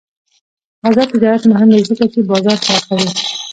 آزاد تجارت مهم دی ځکه چې بازار پراخوي.